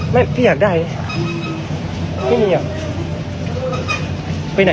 ไม่พี่อยากได้